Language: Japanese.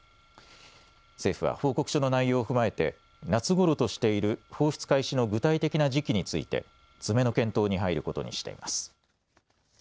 政府は報告書の内容を踏まえて夏ごろとしている放出開始の具体的な時期について詰めの検討に入ることにしています。